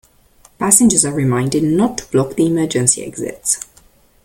Passengers are reminded not to block the emergency exits.